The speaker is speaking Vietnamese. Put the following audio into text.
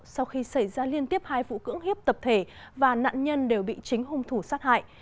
sau khi xảy ra liên tiếp hai vụ cưỡng hiếp tập thể và nạn nhân đều bị chính hung thủ sát hại